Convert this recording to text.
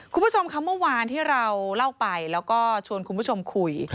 คุณผู้ชมค่ะเมื่อวานที่เราเล่าไปแล้วก็ชวนคุณผู้ชมคุย